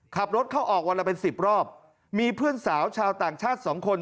ขับรถเข้าออกวันละเป็นสิบรอบมีเพื่อนสาวชาวต่างชาติสองคน